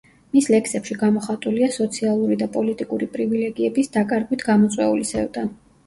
მის ლექსებში გამოხატულია სოციალური და პოლიტიკური პრივილეგიების დაკარგვით გამოწვეული სევდა.